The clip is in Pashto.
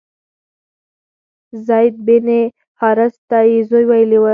زید بن حارثه ته یې زوی ویلي و.